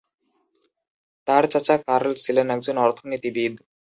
তার চাচা কার্ল ছিলেন একজন অর্থনীতিবিদ।